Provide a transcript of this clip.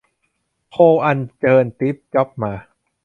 โทรอัญเชิญตีฟจ็อบมา